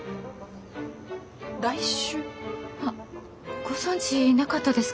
来週？あご存じなかったですか？